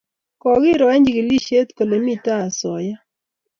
kokiro eng chikilishet kole mito asoya